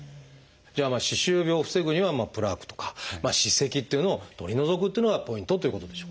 じゃあ歯周病を防ぐにはプラークとか歯石というのを取り除くっていうのがポイントということでしょうかね。